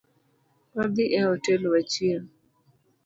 Wadhii e hotel wachiem